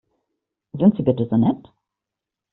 Sind Sie bitte so nett?